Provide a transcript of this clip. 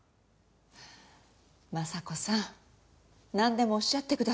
昌子さんなんでもおっしゃってください。